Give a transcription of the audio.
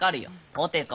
ポテト。